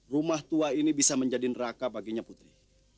rumah tua ini bisa menjadi neraka baginya putri